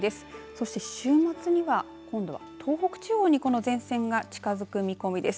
そして週末には今度は東北地方にこの前線が近づく見込みです。